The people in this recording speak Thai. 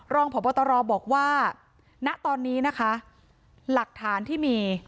รองพบตรบอกว่าณตอนนี้นะคะหลักฐานที่มี